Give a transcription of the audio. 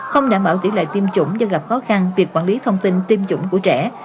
không đã mở tỉ lệ tiêm chủng do gặp khó khăn việc quản lý thông tin tiêm chủng của trẻ